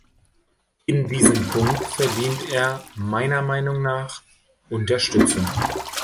In diesem Punkt verdient er meiner Meinung nach Unterstützung.